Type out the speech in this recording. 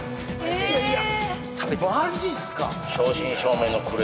えっいやいやマジっすか